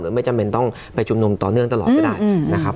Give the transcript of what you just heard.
ไม่จำเป็นต้องไปชุมนุมต่อเนื่องตลอดก็ได้นะครับ